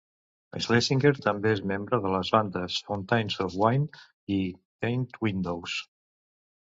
Schlesinger també és membre de les bandes Fountains of Wayne i Tint Windows.